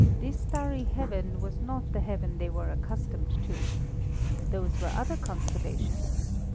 This starry heaven was not the heaven they were accustomed to. Those were other constellations.